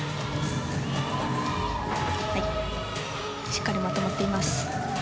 しっかりまとまっています。